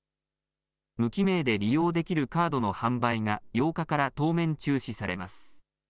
無記名で利用できるカードの販売が８日から当面中止されます。